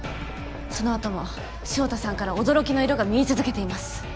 その後も潮田さんから「驚き」の色が見え続けています。